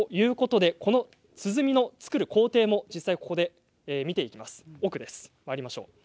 鼓を作る工程も実際にここで見ていきます。